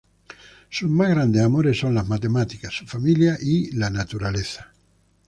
Sus más grandes amores son las matemáticas, su familia y la naturaleza.